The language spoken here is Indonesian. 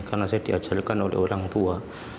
karena saya diajarkan oleh orang tua